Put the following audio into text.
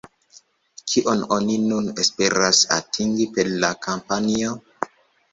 Kion oni nun esperas atingi per la kampanjo?